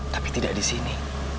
tapi tidak di sini